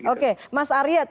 oke mas aryat